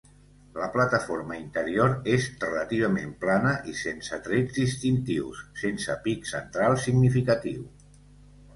La plataforma interior és relativament plana i sense trets distintius, sense pic central significatiu.